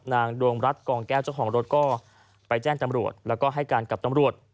ดวงรัฐกองแก้วเจ้าของรถก็ไปแจ้งตำรวจแล้วก็ให้การกับตำรวจ